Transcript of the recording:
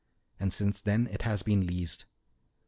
And since then it has been leased.